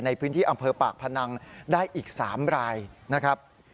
ในพื้นที่อำเภอปากพนังได้อีก๓รายนะครับ